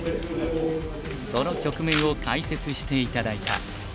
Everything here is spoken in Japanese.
その局面を解説して頂いた。